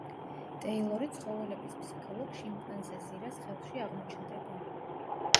ტეილორი ცხოველების „ფსიქოლოგ“, შიმპანზე ზირას ხელში აღმოჩნდება.